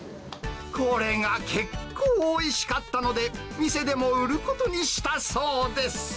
これが結構おいしかったので、店でも売ることにしたそうです。